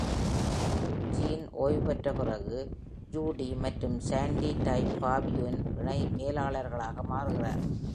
Gene ஓய்வு பெற்ற பிறகு, ஜூடி மற்றும் சாண்டி டைப் ஃபார் யூவின் இணை மேலாளர்களாக மாறுகிறார்கள்.